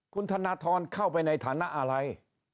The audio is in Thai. คุณธนทรเข้าไปในฐานะอะไร